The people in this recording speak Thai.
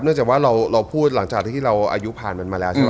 เนื่องจากว่าเราพูดหลังจากที่เราอายุผ่านมาแล้ว